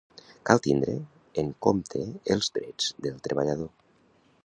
Cal tindre en compte els drets del treballador.